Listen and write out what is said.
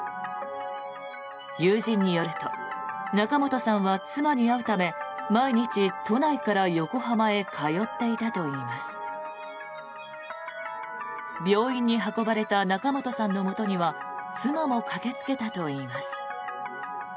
友人によると仲本さんは、妻に会うため毎日、都内から横浜へ通っていたといいます。病院に運ばれた仲本さんのもとには妻も駆けつけたといいます。